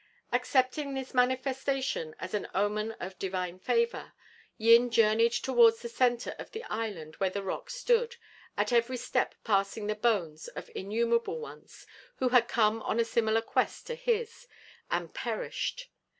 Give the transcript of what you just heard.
Accepting this manifestation as an omen of Divine favour, Yin journeyed towards the centre of the island where the rock stood, at every step passing the bones of innumerable ones who had come on a similar quest to his, and perished.